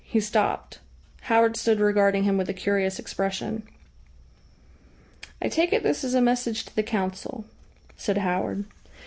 He stopped. Howard stood regarding him with a curious expression. "I take it this is a message to the Council," said Howard.